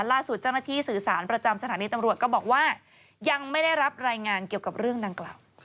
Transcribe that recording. ล่าสุดเจ้าหน้าที่สื่อสารประจำสถานีตำรวจก็บอกว่ายังไม่ได้รับรายงานเกี่ยวกับเรื่องดังกล่าว